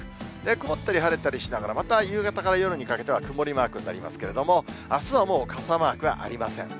曇ったり晴れたりしながら、また夕方から夜にかけては曇りマークになりますけれども、あすはもう、傘マークはありません。